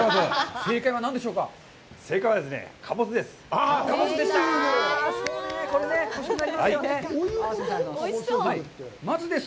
正解はですね、かぼすです。